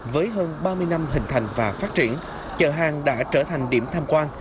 với hơn ba mươi năm hình thành và phát triển chợ hàng đã trở thành điểm tham quan